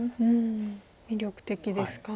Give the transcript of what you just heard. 魅力的ですか。